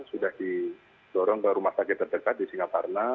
sudah didorong ke rumah sakit terdekat di singaparna